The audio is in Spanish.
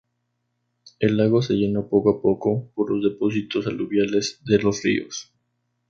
El lago se llenó poco a poco por los depósitos aluviales de los ríos.